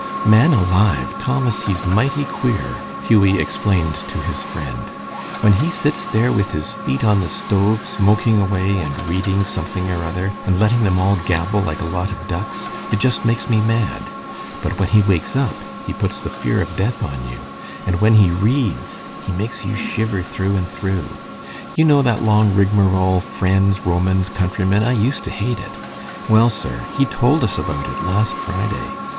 "Man alive! Thomas, he's mighty queer," Hughie explained to his friend. "When he sits there with his feet on the stove smoking away and reading something or other, and letting them all gabble like a lot of ducks, it just makes me mad. But when he wakes up he puts the fear of death on you, and when he reads he makes you shiver through and through. You know that long rigmarole, 'Friends, Romans, countrymen'? I used to hate it. Well, sir, he told us about it last Friday.